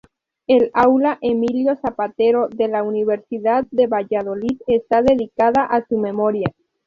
El aula Emilio Zapatero, de la Universidad de Valladolid, está dedicada a su memoria.